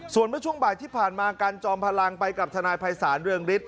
ส่วนเมื่อช่วงบ่ายที่ผ่านมากันจอมพลังไปกับทนายภัยศาลเรืองฤทธ